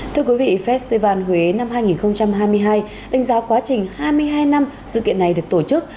thưa quý vị festival huế năm hai nghìn hai mươi hai đánh giá quá trình hai mươi hai năm sự kiện này được tổ chức